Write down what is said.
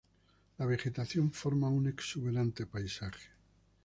La vegetación forma un exuberante paisaje.